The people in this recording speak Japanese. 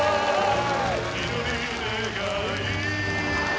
祈り願い